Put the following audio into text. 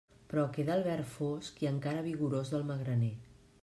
Però queda el verd fosc i encara vigorós del magraner.